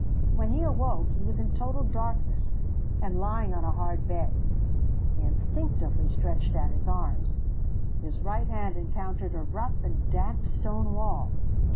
When he awoke, he was in total darkness, and lying on a hard bed. He instinctively stretched out his arms: his right hand encountered a rough and damp stone wall.